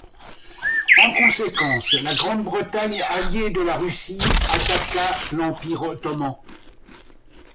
En conséquence, la Grande-Bretagne, alliée de la Russie, attaqua l'Empire ottoman.